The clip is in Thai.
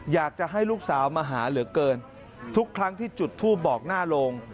อยากจะให้ลูกสาวมาหาเหลือเกินทุกครั้งที่จุดทูปบอกหน้าโรง